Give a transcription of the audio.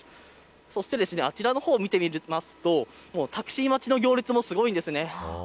そして、あちらの方を見てみるとタクシー待ちの行列もすごいんですね。